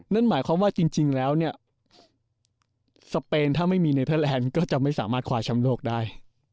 นั่นหมายความว่าจริงแล้วเนี่ยสเปนถ้าไม่มีเนเทอร์แลนด์ก็จะไม่สามารถคว้าแชมป์โลกได้